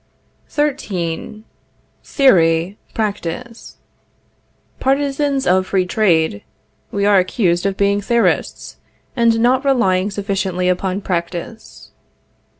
XIII. THEORY PRACTICE. Partisans of free trade, we are accused of being theorists, and not relying sufficiently upon practice.